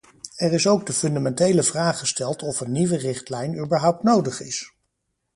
Er is ook de fundamentele vraag gesteld of een nieuwe richtlijn überhaupt nodig is.